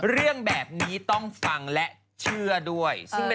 เรื่องแบบนี้ต้องฟังและเชื่อด้วย